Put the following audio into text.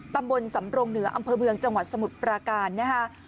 ตำบลสำรงเหนืออำเภอเมืองจังหวัดสมุทรปราการนะคะ